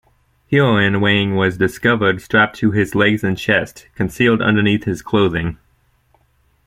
Heroin weighing was discovered strapped to his legs and chest, concealed underneath his clothing.